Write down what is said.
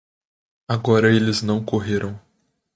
Agora eles não correram.